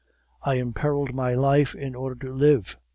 I imperiled my life in order to live.